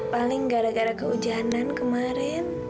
paling gara gara kehujanan kemarin